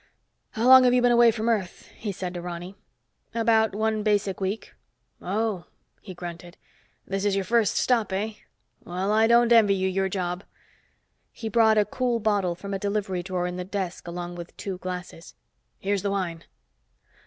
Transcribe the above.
How long have you been away from Earth?" he said to Ronny. "About one basic week." "Oh," he grunted. "This is your first stop, eh? Well, I don't envy you your job." He brought a cool bottle from a delivery drawer in the desk along with two glasses. "Here's the wine."